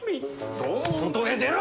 外へ出ろ！